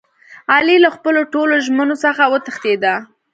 علي له خپلو ټولو ژمنو څخه و تښتېدا.